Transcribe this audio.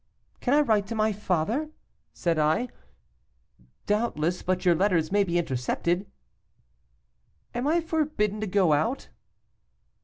"'Can I write to my father?' said I. 'Doubtless; but your letters may be intercepted.' 'Am I forbidden to go out?